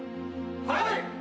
はい！